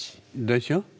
でしょ。